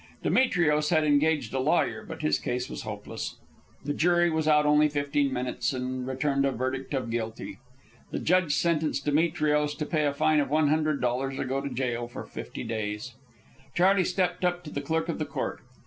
Demetrios had engaged a lawyer, but his case was hopeless. The jury was out only fifteen minutes, and returned a verdict of guilty. The judge sentenced Demetrios to pay a fine of one hundred dollars or go to jail for fifty days. Charley stepped up to the clerk of the court.